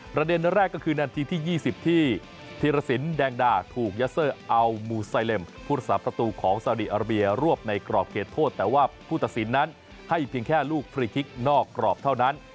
ประเด็นแรกก็คือนาทีที่๒๐ที่ธีรสินแดงดาถูกยัสเซอร์อัลมูไซเลมผู้รักษาประตูของสาวดีอาราเบียรวบในกรอบเขตโทษแต่ว่าผู้ตัดสินนั้นให้เพียงแค่ลูกฟรีคิกนอกกรอบเท่านั้น